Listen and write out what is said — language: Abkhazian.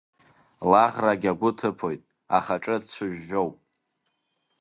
Лаӷрагь агәы ҭыԥоит, Ахаҿы цәыжәжәоуп.